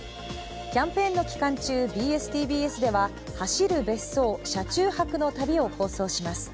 キャンペーンの期間中ＢＳ−ＴＢＳでは「走る別荘！車中泊の旅」を放送します。